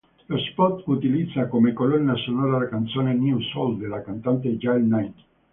Lo spot utilizza come colonna sonora la canzone "New Soul" della cantante Yael Naim.